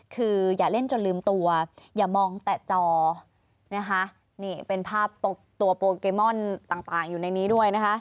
คืออย่าเล่นจนลืมตัวอย่ามองแต่จอนะคะนี่เป็นภาพตัวโปเกมอนต่างอยู่ในนี้ด้วยนะคะ